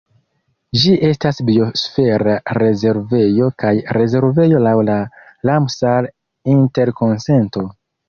Ĝi estas biosfera rezervejo kaj rezervejo laŭ la Ramsar-Interkonsento.